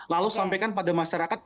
lalu sampaikan pada masyarakat